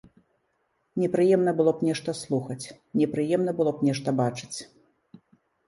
Непрыемна было б нешта слухаць, непрыемна было б нешта бачыць.